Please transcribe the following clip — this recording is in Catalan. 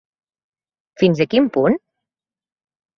Fins a quin punt?